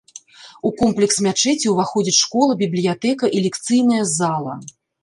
У комплекс мячэці ўваходзіць школа, бібліятэка, і лекцыйная зала.